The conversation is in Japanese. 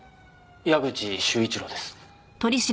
矢口秀一郎です。